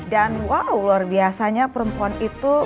dan wow luar biasanya perempuan itu